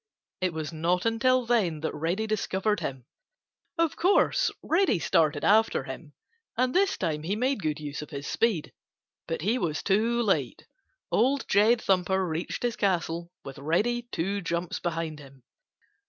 It was not until then that Reddy discovered him. Of course, Reddy started after him, and this time he made good use of his speed. But he was too late. Old Jed Thumper reached his castle with Reddy two jumps behind him.